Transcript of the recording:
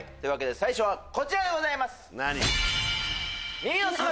最初はこちらでございます！